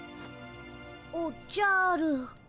おっじゃる。